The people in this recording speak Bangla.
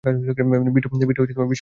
বিট্টো, বিষয়টা কী?